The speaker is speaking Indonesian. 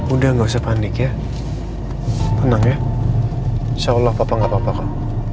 udah gak usah panik ya tenang ya insya allah papa gak apa apa kok